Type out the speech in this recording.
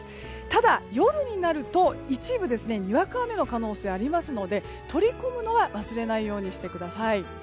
ただ、夜になると一部にわか雨の可能性がありますので取り込むのは忘れないようにしてください。